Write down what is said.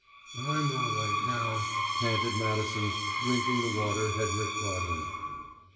"I'm all right now," panted Madison, drinking the water Hedrick brought him.